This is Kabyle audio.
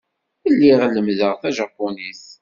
Lliɣ lemmdeɣ Tajaponit.